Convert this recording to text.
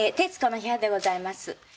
「徹子の部屋」でございます。